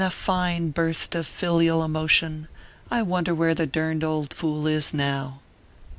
183 a fine burst of filial emotion, " I wonder where the durned old fool is now."